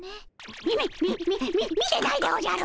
みみっみみみ見てないでおじゃる。